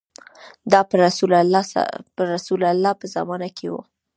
دا په رسول الله په زمانه کې و.